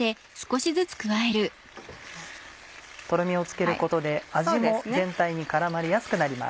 とろみをつけることで味も全体に絡まりやすくなります。